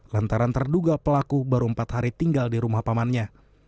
lantaran terduga pelaku baru empat hari tinggal di rumah pamannya